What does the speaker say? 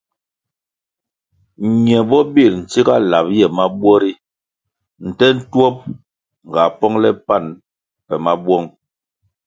Ñe bo bir ntsiga lab ye mabuo ri nte ntuop ga pongle pan pe mabouong.